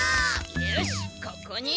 よしここに。